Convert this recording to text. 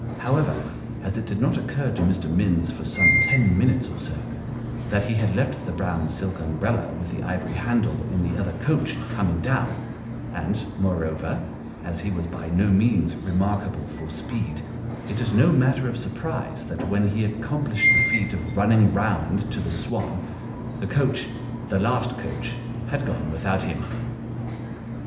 How ever, as it did not occur to Mr. Minns for some ten minutes or so, that he had left the brown silk umbrella with the ivory handle in the other coach, coming down ; and, moreover, as he was by no means remark able for speed, it is no matter of surprise that when he accomplished the feat of " running round " to the Swan, the coach the last coach had gone without him.